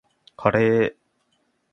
カレー